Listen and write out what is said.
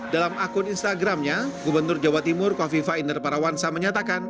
dalam akun instagramnya gubernur jawa timur kofifa inder parawansa menyatakan